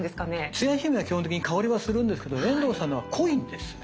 つや姫は基本的に香りはするんですけど遠藤さんのは濃いんですね